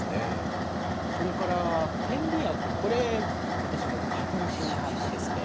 それから点鼻薬これ私も花粉症があってですね